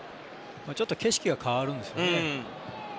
ちょっと景色が変わるんですね。